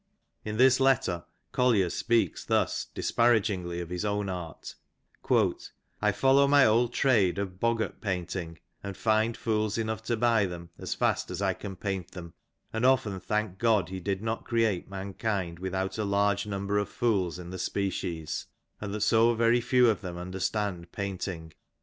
In this letter Collier speaks thus disparagingly of his own art :^' I follow my old trade *' of boggart painting, and find fools enough to buy them as fast as I ^'can paint them; and often thank God he did not create man ^^ kind without a large number of fools in the species, and that so very " few of them understand painting.